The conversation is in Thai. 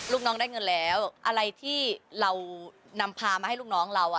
ลูกน้องได้เงินแล้วอะไรที่เรานำพามาให้ลูกน้องเราอ่ะ